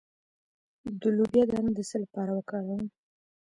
د لوبیا دانه د څه لپاره وکاروم؟